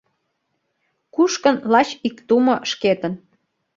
Кушкын лач ик тумо шкетын.